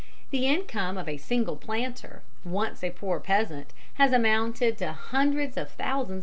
The income of a single planter, once a poor peasant, has amounted to hundreds of thousands sterling.